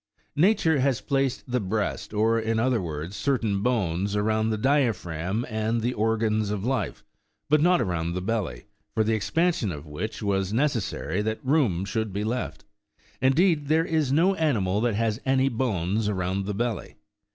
Nature has placed the breast, or, in other words, certain bones, around the diaphragm and the organs of life, but not around the belly, for the expansion of which it was necessary that room should be left. Indeed, there is no animal that has any bones around the belly.